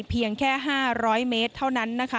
เพียงแค่๕๐๐เมตรเท่านั้นนะคะ